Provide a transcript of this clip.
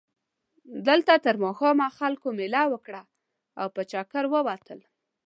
دلته تر ماښامه خلکو مېله وکړه او په چکر ووتل.